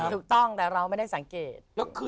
ถูกต้องแต่เราไม่ได้สังเกต